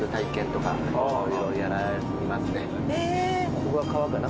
ここが川かな？